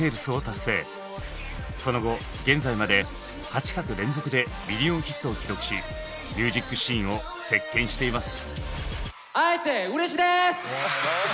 その後現在まで８作連続でミリオンヒットを記録しミュージックシーンを席巻しています。